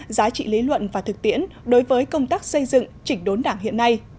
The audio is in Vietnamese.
giá trị lý luận và thực tiễn đối với công tác xây dựng chỉnh đốn đảng hiện nay